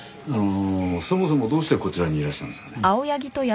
そもそもどうしてこちらにいらしたんですかね？